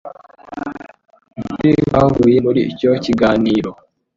Ukuri kwavuye muri icyo kiganiro,